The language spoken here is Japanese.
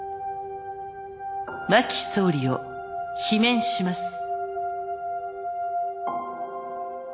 真木総理を罷免します。